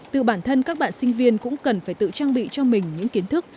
từ bản thân các bạn sinh viên cũng cần phải tự trang bị cho mình những kiến thức